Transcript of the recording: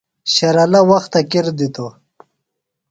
شرلہ وختے کِر دِتوۡ۔